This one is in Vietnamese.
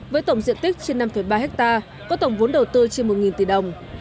với tổng diện tích trên năm ba hectare có tổng vốn đầu tư trên một tỷ đồng